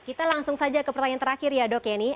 kita langsung saja ke pertanyaan terakhir ya dok yeni